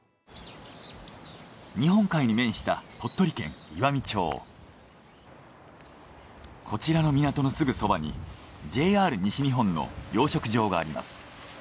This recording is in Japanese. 日本海に面したこちらの港のすぐそばにＪＲ西日本の養殖場があります。